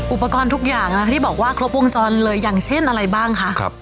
อุปกรณ์ทุกอย่างนะคะที่บอกว่าครบวงจรเลยอย่างเช่นอะไรบ้างคะ